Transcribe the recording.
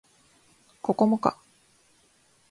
ここもか